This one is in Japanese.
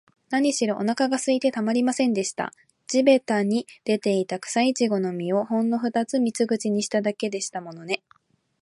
なにしろ、おなかがすいてたまりませんでした。地びたに出ていた、くさいちごの実を、ほんのふたつ三つ口にしただけでしたものね。